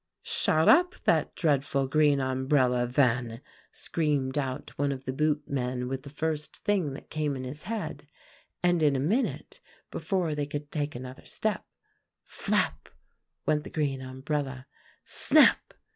"'Shut up that dreadful green umbrella, then,' screamed out one of the boot men with the first thing that came in his head; and in a minute, before they could take another step, flap! went the green umbrella; _snap!